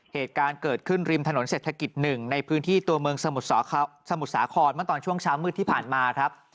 เหตุการณ์เกิดขึ้นริมถนนเศรษฐกิจ๑ในพื้นที่ตัวเมืองสมุทรสาครเมื่อตอนช่วงเช้ามืดที่ผ่านมาครับ